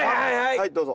はいどうぞ。